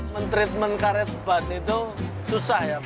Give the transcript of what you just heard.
men treatment karet sebat itu susah ya